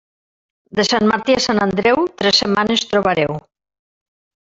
De Sant Martí a Sant Andreu, tres setmanes trobareu.